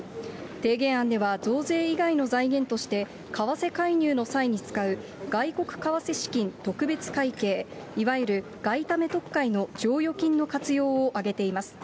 提言案では、増税以外の財源として、為替介入の際に使う外国為替資金特別会計、いわゆる外為特会の剰余金の活用を挙げています。